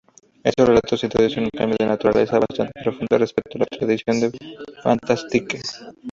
Estos relatos introducen un cambio de naturaleza bastante profundo respecto de la tradición "fantastique".